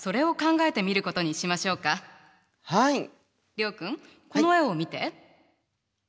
諒君この絵を見て。